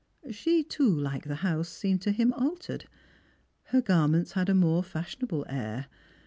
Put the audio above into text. She too, Uke the house, seemed to him altered. Her garments had a more fashionable air.